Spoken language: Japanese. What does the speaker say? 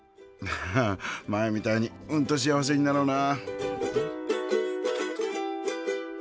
ああ前みたいにうんとしあわせになろうな。